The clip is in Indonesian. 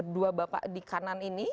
dua bapak di kanan ini